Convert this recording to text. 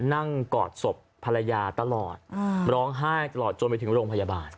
กอดศพภรรยาตลอดร้องไห้ตลอดจนไปถึงโรงพยาบาล